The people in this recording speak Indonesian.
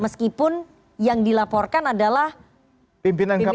meskipun yang dilaporkan adalah pimpinan kpk